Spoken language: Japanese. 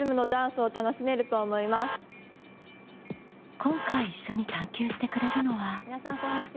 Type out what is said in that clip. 今回一緒に探究してくれるのは。